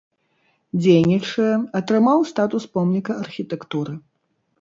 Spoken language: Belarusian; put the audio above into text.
Дзейнічае, атрымаў статус помніка архітэктуры.